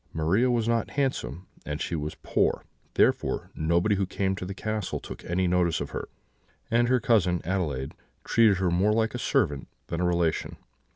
Maria was not handsome, and she was poor; therefore, nobody who came to the castle took any notice of her: and her cousin Adelaide treated her more like a servant than a relation.